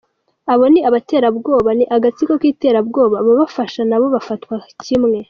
Abo ni abaterabwoba, ni agatsiko k’iterabwoba, ababafasha na bo bafatwa kimwe.